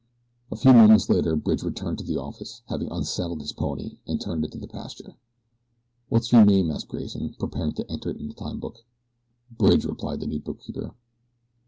A few moments later Bridge returned to the office, having unsaddled his pony and turned it into the pasture. "What's your name?" asked Grayson, preparing to enter it in his time book. "Bridge," replied the new bookkeeper.